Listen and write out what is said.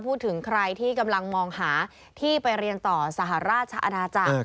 พูดถึงใครที่กำลังมองหาที่ไปเรียนต่อสหราชอาณาจักร